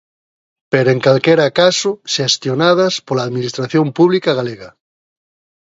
Pero en calquera caso xestionadas pola administración pública galega.